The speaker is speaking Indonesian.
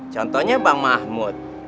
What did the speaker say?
contohnya bang mahmud